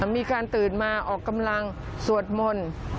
มีการตื่นมาออกกำลังสวดมนต์